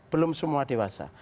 belum semua dewasa